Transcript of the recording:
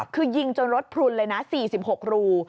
คือยิงจนรถพลุนเลยนะ๔๖รู